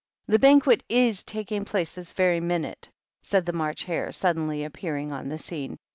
"The Banquet is taking place this very minute," said the March Hare, suddenly appear ing on the scene.